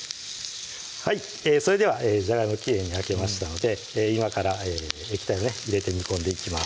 それではじゃがいもきれいに焼けましたので今から液体を入れて煮込んでいきます